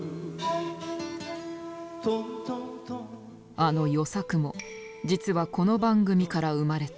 あの「与作」も実はこの番組から生まれた。